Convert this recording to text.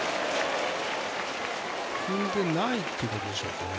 踏んでないということでしょうか。